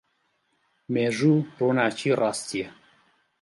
مێژوو ڕووناکیی ڕاستییە.